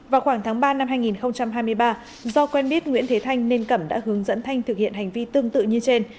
vào khoảng tháng ba năm hai nghìn hai mươi ba do quen biết nguyễn thế thanh nên cẩm đã hướng dẫn thanh thực hiện hành vi tương tự như trên